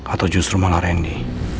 atau justru malah randy